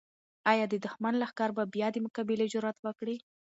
آیا د دښمن لښکر به بیا د مقابلې جرات وکړي؟